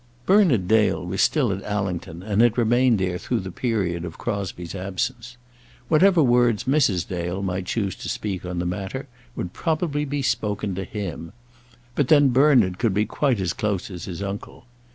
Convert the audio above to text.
Bernard Dale was still at Allington, and had remained there through the period of Crosbie's absence. Whatever words Mrs. Dale might choose to speak on the matter would probably be spoken to him; but, then, Bernard could be quite as close as his uncle.